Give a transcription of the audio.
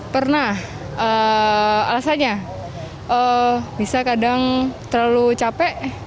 pernah alasannya bisa kadang terlalu capek